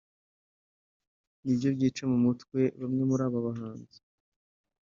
nibyo byica mu mutwe bamwe muri aba bahanzi